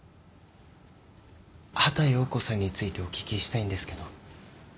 畑葉子さんについてお聞きしたいんですけど。